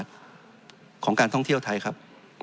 จริงโครงการนี้มันเป็นภาพสะท้อนของรัฐบาลชุดนี้ได้เลยนะครับ